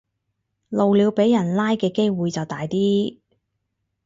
露鳥俾人拉嘅機會就大啲